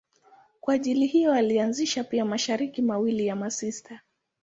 Kwa ajili hiyo alianzisha pia mashirika mawili ya masista.